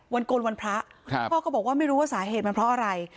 โกนวันพระพ่อก็บอกว่าไม่รู้ว่าสาเหตุมันเพราะอะไร